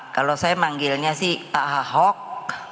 kalau saya manggilnya sih pak ahok